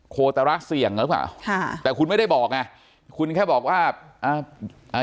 โควิดสิบเก้าเสี่ยงหรือเปล่าค่ะแต่คุณไม่ได้บอกอ่ะคุณแค่บอกว่าอ่า